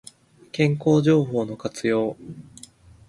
健康情報の活用